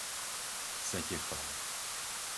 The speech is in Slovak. Setechov